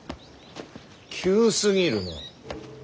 急すぎるな。